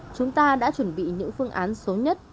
chúng ta đã chuẩn bị những phương án số nhất